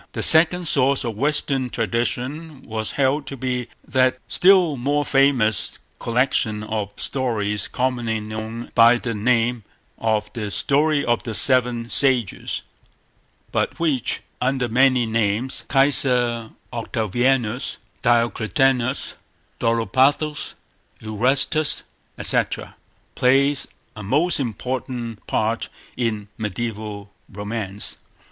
The second source of Western tradition was held to be that still more famous collection of stories commonly known by the name of the "Story of the Seven Sages," but which, under many names—Kaiser Octavianus, Diocletianus, Dolopathos, Erastus, etc.—plays a most important part in mediaeval romance.